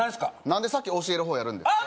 何で先教える方やるんですか？